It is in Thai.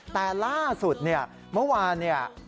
แต่ล่าสุดเนี่ยเมื่อวานเนี่ย